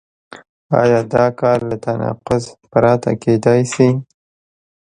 آیا دا کار له تناقض پرته کېدای شي؟